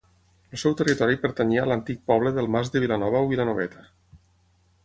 El seu territori pertanyia a l'antic poble del Mas de Vilanova o Vilanoveta.